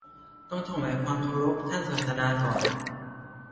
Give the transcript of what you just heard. ต้องถวายความเคารพท่านศาสดาก่อน